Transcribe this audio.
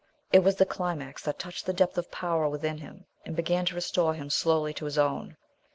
It was the climax that touched the depth of power within him and began to restore him slowly to his own.